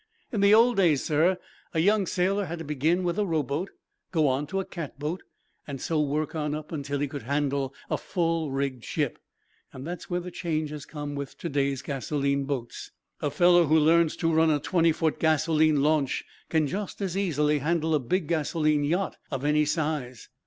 "In the old days, sir, a young sailor had to begin with a rowboat, go on to a cat boat, and so work on up until he could handle a full rigged ship. That's where the change has come with to day's gasoline boats. A fellow who learns to run a twenty foot gasoline launch can just as easily handle a big gasoline yacht of any size.